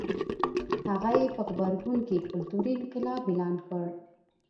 هغه یې په غبرګون کې کلتوري انقلاب اعلان کړ.